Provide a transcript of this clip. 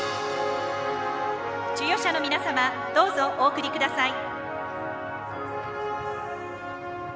授与者の皆様どうぞお贈りください。